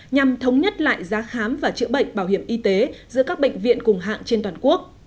nhằm thống nhất lại giá khám và chữa bệnh bảo hiểm y tế giữa các bệnh viện cùng hạng trên toàn quốc